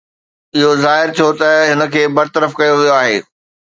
اهو ظاهر ٿيو ته هن کي برطرف ڪيو ويو آهي